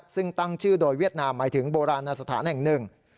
ซึ่งตั้งชื่อโดยเวียดนามหมายถึงโบราณสถานแห่งหนึ่ง